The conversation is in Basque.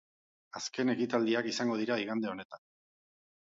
Azken ekitaldiak izango dira igande honetan.